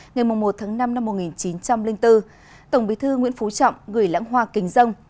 ngày một năm một nghìn chín trăm linh bốn tổng bế thư nguyễn phú trọng người lãng hoa kinh dông